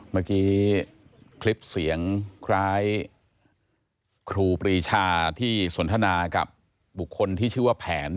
เมื่อกี้คลิปเสียงคล้ายครูปรีชาที่สนทนากับบุคคลที่ชื่อว่าแผน